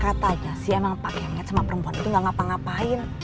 katanya sih emang pak yang nget sama perempuan itu gak ngapa ngapain